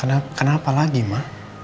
oh kenapa lagi ma